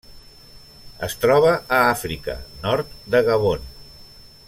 Es troba a Àfrica: nord de Gabon.